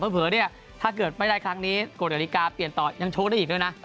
เผลอเนี่ยถ้าเกิดไม่ได้ครั้งนี้กฎนาฬิกาเปลี่ยนต่อยังโชว์ได้อีกด้วยนะ